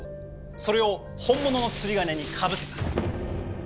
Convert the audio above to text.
それを本物の釣り鐘にかぶせた。